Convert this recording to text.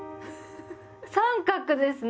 三角ですね！